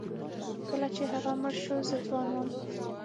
کله چې هغه مړ شو زه ځوان وم.